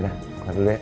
udah aku pergi dulu ya